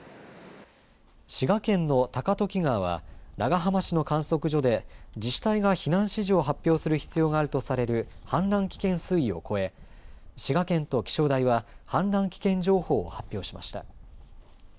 滋賀県の高時川は長浜市の観測所で自治体が避難指示を発表する必要があるとされる氾濫危険水位を超え滋賀県と気象台は氾濫危険情報を発表しました。